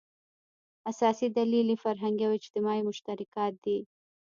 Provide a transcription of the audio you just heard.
اساسي دلیل یې فرهنګي او اجتماعي مشترکات دي.